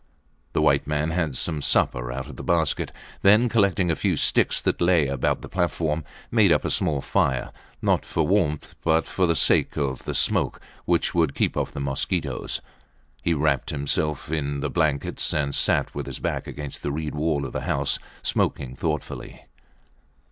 The white man had some supper out of the basket, then collecting a few sticks that lay about the platform, made up a small fire, not for warmth, but for the sake of the smoke, which would keep off the mosquitos. He wrapped himself in the blankets and sat with his back against the reed wall of the house, smoking thoughtfully.